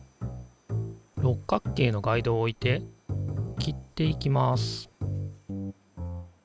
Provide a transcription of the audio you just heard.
六角形のガイドを置いて切っていきます